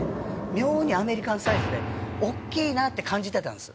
妙にアメリカンサイズでおっきいなって感じてたんです。